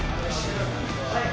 はい。